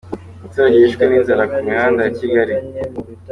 Umuturage wishwe n’inzara ku mihanda ya Kigali